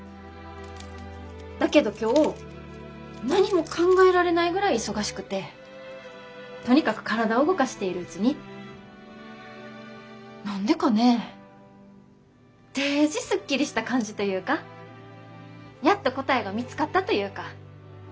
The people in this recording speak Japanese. だけど今日何も考えられないぐらい忙しくてとにかく体を動かしているうちに何でかねえデージスッキリした感じというかやっと答えが見つかったというか。